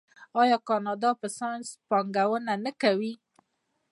آیا کاناډا په ساینس پانګونه نه کوي؟